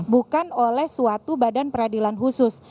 bukan oleh suatu badan peradilan khusus